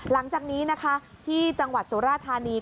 หลังจากนี้ที่จังหวัดสุรธานีย์